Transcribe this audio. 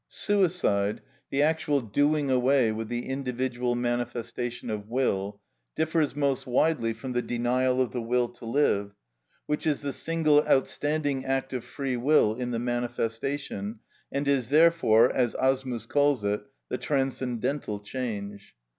Suicide, the actual doing away with the individual manifestation of will, differs most widely from the denial of the will to live, which is the single outstanding act of free will in the manifestation, and is therefore, as Asmus calls it, the transcendental change.